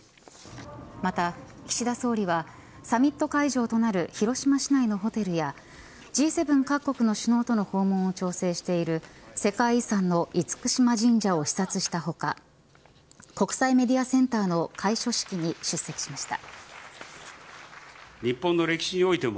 また、岸田総理はサミット会場となる広島市内のホテルやＧ７各国の首脳との訪問を調整している世界遺産の厳島神社を視察した他国際メディアセンターの開所式に出席しました。